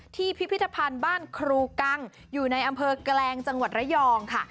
พิพิธภัณฑ์บ้านครูกังอยู่ในอำเภอแกลงจังหวัดระยองค่ะ